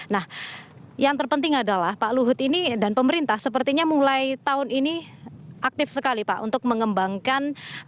nah yang terpenting adalah pak luhut ini dan pemerintah sepertinya mulai tahun ini aktif sekali pak untuk mengembangkan